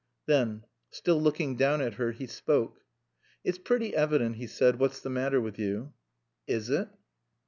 Then, still looking down at her, he spoke. "It's pretty evident," he said, "what's the matter with you." "Is it?"